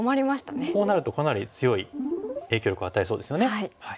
こうなるとかなり強い影響力を与えそうですよね。